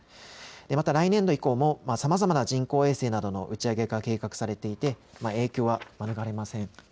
また来年度以降もさまざまな人工衛星などの打ち上げが計画されていて影響は免れません。